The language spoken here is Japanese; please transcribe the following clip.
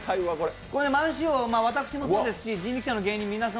満州王、私もそうですし、人力舎の芸人皆さん